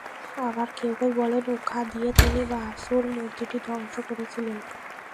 আবার কেউ কেউ বলেন, উখা দিয়ে তিনি বাছুর মূর্তিটি ধ্বংস করেছিলেন।